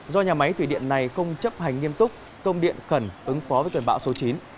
do nhà máy thủy điện này không chấp hành nghiêm túc công điện khẩn ứng phó với cơn bão số chín